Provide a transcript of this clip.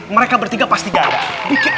mereka bertiga pasti gak ada